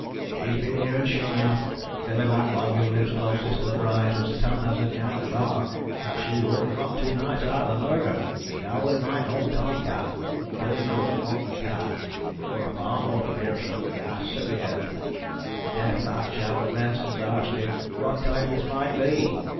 "She's been heered, shure enough. Billy Backlog, who lives closest to the rise, was a tellin' us in the Anchor bar that she woke him up two nights arter th' murder, a yowlin' like an old tomcat, but Billy knew it worn't a cat it weer far more fearsome, wi gasps at th' end. The deaf fat chap at Benson's arst him what time this might be.